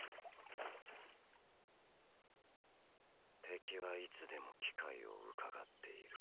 敵はいつでも機会をうかがっている。